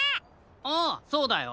ああそうだよ！